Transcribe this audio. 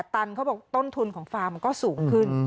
ตันเขาบอกต้นทุนของฟาร์มมันก็สูงขึ้น